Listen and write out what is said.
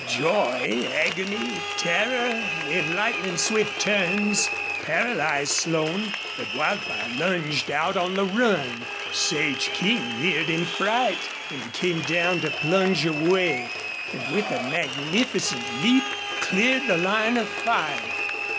Joy, agony, terror in lightning swift turns, paralyzed Slone. But Wildfire lunged out on the run. Sage King reared in fright, came down to plunge away, and with a magnificent leap cleared the line of fire.